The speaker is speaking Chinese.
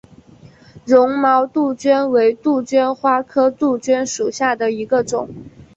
绒毛杜鹃为杜鹃花科杜鹃属下的一个种。